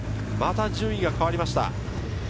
また順位が変わりました。